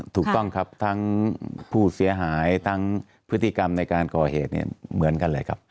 ถูกต้องครับทั้งผู้เสียหายทั้งพฤติกรรมในการก่อเหตุเนี่ยเหมือนกันเลยครับ